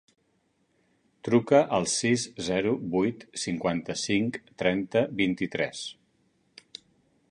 Truca al sis, zero, vuit, cinquanta-cinc, trenta, vint-i-tres.